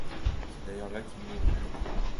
C'est d'ailleurs là qu'il mourut.